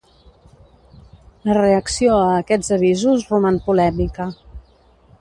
La reacció a aquests avisos roman polèmica.